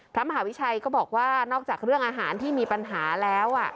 พระมหาวิชัยก็บอกว่านอกจากเรื่องอาหารที่มีปัญหาแล้ว